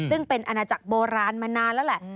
ซึ่งเป็นอาณาจักรโบราณมานานแล้วแหละ